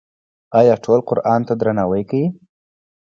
آیا ټول قرآن ته درناوی کوي؟